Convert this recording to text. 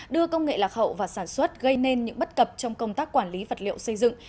đưa công nghệ lạc hậu vào sản xuất gây nên những bất cập trong công tác quản lý vật liệu xây dựng